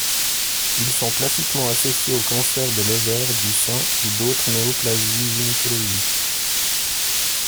Ils sont classiquement associés au cancer de l'ovaire, du sein, ou d’autres néoplasies gynécologiques.